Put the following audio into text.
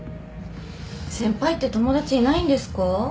先輩って友達いないんですか？